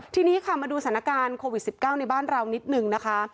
ทีนี้ค่ะมาดูสถานการณ์โควิด๑๙ในบ้านเรานิดนึงนะคะ